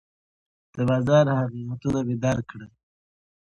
د بازار حقیقتونه مې درک کړل.